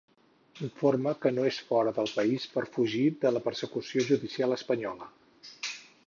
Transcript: Informa que no és fora del país per fugir de la persecució judicial espanyola.